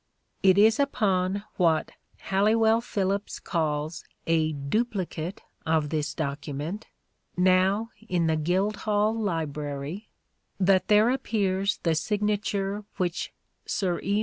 It is upon what Halliwell Phillipps calls a duplicate of this document, now in the Guildhall Library, that there appears the signature which Sir E.